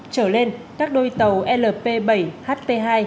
trở lên các đôi tàu lp bảy hp hai